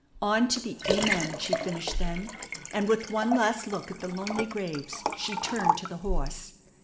On to the "Amen" she finished then, and with one last look at the lonely graves she turned to the horse.